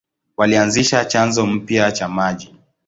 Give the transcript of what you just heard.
Walianzisha chanzo mpya cha maji.